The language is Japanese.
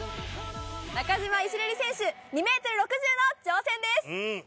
中島イシレリ選手２ｍ６０の挑戦です。